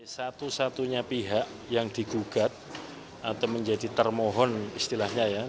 satu satunya pihak yang digugat atau menjadi termohon istilahnya ya